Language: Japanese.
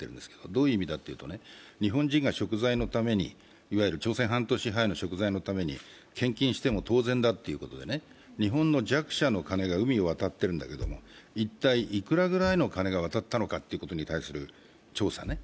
どういう意味かというと、日本人がいわゆる朝鮮半島支配のしょく罪のために献金しても当然だということで日本の弱者の金が海を渡ってるだけど、一体いくらぐらいの金が渡ったのかという調査ね。